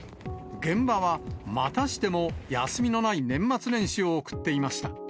現場は、またしても休みのない年末年始を送っていました。